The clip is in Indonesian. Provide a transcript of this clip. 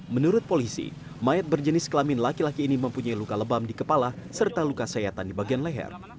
menurut polisi mayat berjenis kelamin laki laki ini mempunyai luka lebam di kepala serta luka sayatan di bagian leher